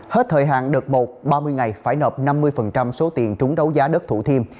hết thời hạn đợt một ba mươi ngày phải nợ năm mươi số tiền trúng đấu giá đất thủ thiêm